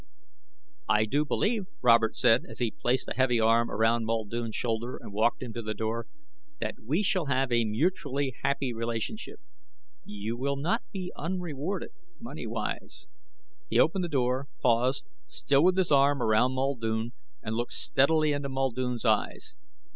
"I do believe," Robert said as he placed a heavy arm around Muldoon's shoulder, and walked him to the door, "that we shall have a mutually happy relationship. You will not be unrewarded, moneywise." He opened the door, paused, still with his arm around Muldoon, and looked steadily into Muldoon's eyes.